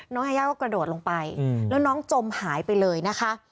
ยายาก็กระโดดลงไปแล้วน้องจมหายไปเลยนะคะ